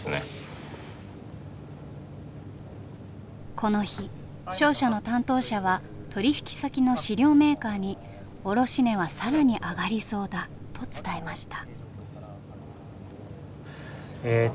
この日商社の担当者は取引先の飼料メーカーに卸値は更に上がりそうだと伝えました。